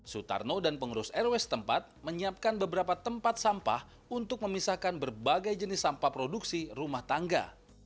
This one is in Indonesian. sutarno dan pengurus rw setempat menyiapkan beberapa tempat sampah untuk memisahkan berbagai jenis sampah produksi rumah tangga